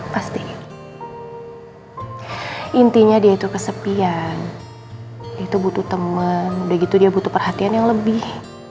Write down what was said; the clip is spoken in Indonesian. pasti intinya dia itu kesepian itu butuh temen begitu dia butuh perhatian yang lebih